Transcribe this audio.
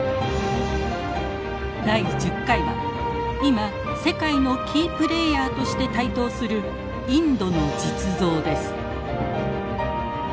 第１０回は今世界のキープレーヤーとして台頭するインドの実像です。